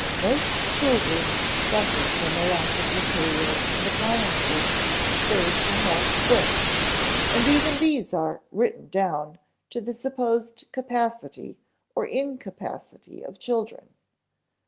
Most schoolrooms suffer from a lack of materials and appliances save perhaps books and even these are "written down" to the supposed capacity, or incapacity, of children.